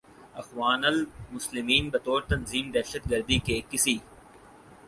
اخوان المسلمین بطور تنظیم دہشت گردی کے کسی